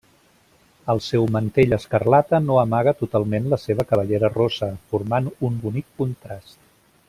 El seu mantell escarlata no amaga totalment la seva cabellera rossa, formant un bonic contrast.